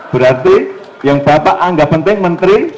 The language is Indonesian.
berarti yang bapak anggap penting menteri